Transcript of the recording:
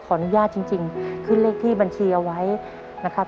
จริงขึ้นเลขที่บัญชีเอาไว้นะครับ